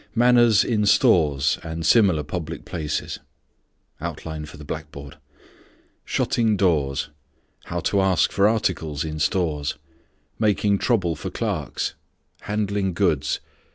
MANNERS IN STORES AND SIMILAR PUBLIC PLACES. Shutting doors. How to ask for articles in stores. Making trouble for clerks. _Handling goods.